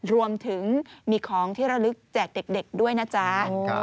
รวมถึงมีของที่ระลึกแจกเด็กด้วยนะจ๊ะ